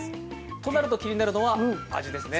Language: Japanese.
となると、気になるのは味ですね。